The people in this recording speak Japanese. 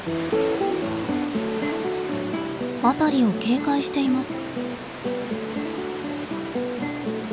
辺りを警戒しています。